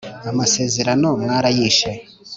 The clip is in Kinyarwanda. amasezerano mwarayishe